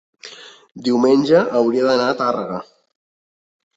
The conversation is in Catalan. diumenge hauria d'anar a Tàrrega.